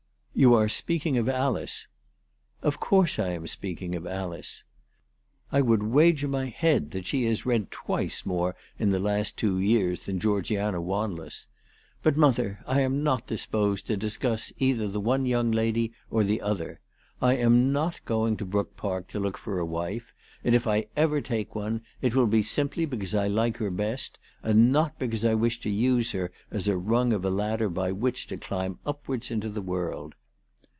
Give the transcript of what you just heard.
" You are speaking of Alice." " Of course I am speaking of Alice." " I would wager my head that she has read twice more in the last two years than Georgiana Wanless. But, mother, I am not disposed to discuss either the one young lady or the other. I am not going to Brook Park to look for a wife ; and if ever I take one, it will be simply because I like her best, and not because I wish to use her as a rung of a ladder by which to climb upwards into the world."